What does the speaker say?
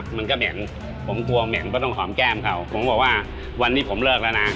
มันก็แบ่งผมกลัวแหม่งก็ต้องหอมแก้มเขาผมบอกว่าวันนี้ผมเลิกแล้วนะ